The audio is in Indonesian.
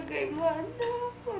dina gak tau